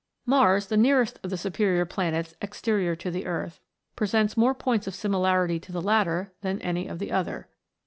Mars, the nearest of the superior planets exterior to the Earth, presents more points of similarity to the latter than any of the other.